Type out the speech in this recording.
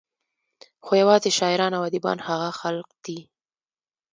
خو يوازې شاعران او اديبان هغه خلق دي